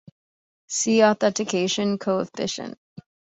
See Attenuation coefficient.